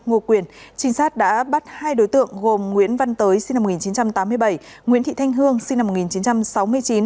ngô quyền trinh sát đã bắt hai đối tượng gồm nguyễn văn tới sinh năm một nghìn chín trăm tám mươi bảy nguyễn thị thanh hương sinh năm một nghìn chín trăm sáu mươi chín